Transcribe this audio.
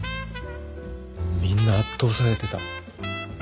みんな圧倒されてた。